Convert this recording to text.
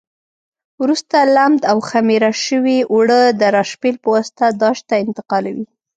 وروسته لمد او خمېره شوي اوړه د راشپېل په واسطه داش ته انتقالوي.